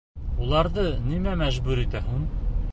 Уларҙы нимә мәжбүр итә һуң?